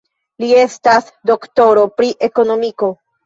Li estas doktoro pri ekonomiko.